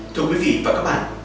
thưa quý vị và các bạn